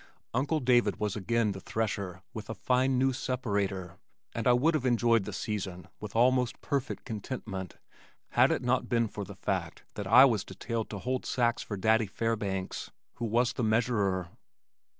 Uncle David was again the thresher with a fine new separator, and I would have enjoyed the season with almost perfect contentment had it not been for the fact that I was detailed to hold sacks for Daddy Fairbanks who was the measurer.